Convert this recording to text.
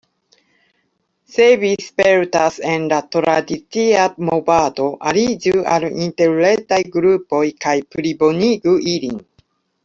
Se vi spertas en la tradicia movado, aliĝu al interretaj grupoj kaj plibonigu ilin.